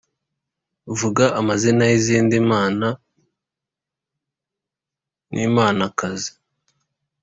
vuga amazina y’izindi mana n’imanakazi